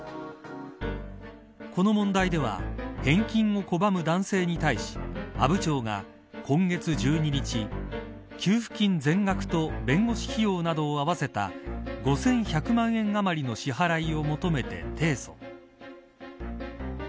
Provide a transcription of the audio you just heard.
この問題では返金を拒む男性に対し阿武町が今月１２日給付金全額と弁護士費用などを合わせた５１００万円あまりの支払いを求めて提訴。